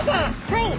はい！